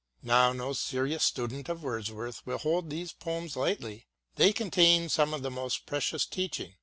Now, no serious student of Wordsworth will hold these poems lightly — ^they contain some of his most precious teaching.